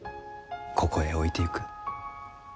ここへ置いてゆく。